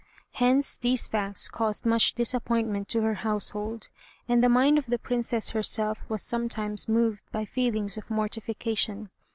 Hence these facts caused much disappointment to her household, and the mind of the Princess herself was sometimes moved by feelings of mortification.